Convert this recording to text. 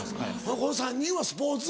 この３人はスポーツ。